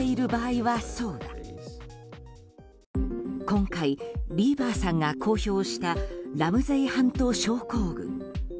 今回ビーバーさんが公表したラムゼイ・ハント症候群。